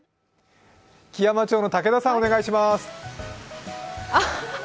基山町の武田さん、お願いします。